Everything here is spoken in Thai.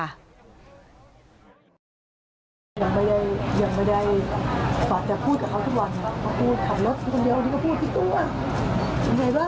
และเดี๋ยวก็จะบอกกับตัวเองว่า